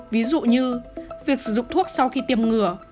ví dụ như việc sử dụng thuốc sau khi tiêm ngừa